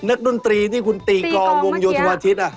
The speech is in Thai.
นักดนตรีที่คุณตีกรองวงโยธุวาทิตย์น่ะ